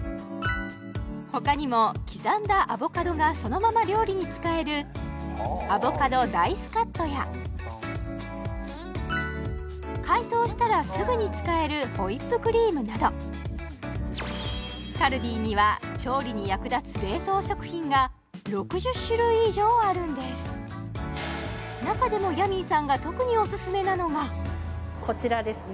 他にも刻んだアボカドがそのまま料理に使えるアボカドダイスカットや解凍したらすぐに使えるホイップクリームなどカルディには調理に役立つあるんです中でもヤミーさんが特にオススメなのがこちらですね